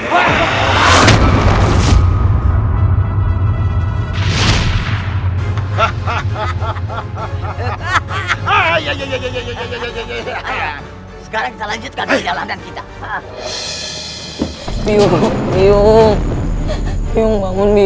hahaha hahaha hahaha sekarang kita lanjutkan perjalanan kita